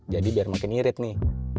jadi biar makin irit nih